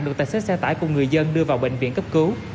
được tài xếp xe tải của người dân đưa vào bệnh viện cấp cứu